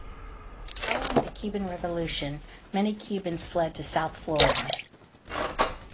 Following the Cuban Revolution, many Cubans fled to South Florida.